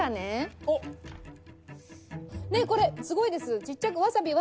ねえこれすごいです！